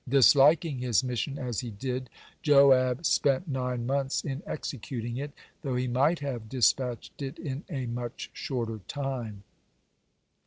Disliking his mission as he did, Joab spent nine months in executing it, though he might have dispatched it in a much shorter time.